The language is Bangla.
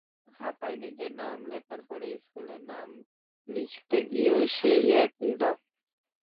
খাতায় নিজের নাম লেখার পরে স্কুলের নাম লিখতে গিয়েও সেই একই নাম।